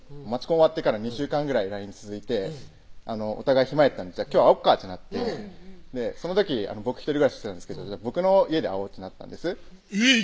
コン終わってから２週間ぐらいＬＩＮＥ続いてお互い暇やったんで「今日会おっか」ってなってその時僕一人暮らししてたんですけど「僕の家で会おう」ってなったんですえっ